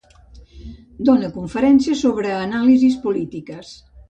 Dona conferències sobre anàlisis polítiques.